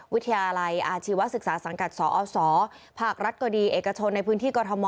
วิทยาลัยอาชีวศึกษาสังกัดสอศภาครัฐก็ดีเอกชนในพื้นที่กรทม